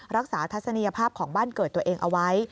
ทัศนียภาพของบ้านเกิดตัวเองเอาไว้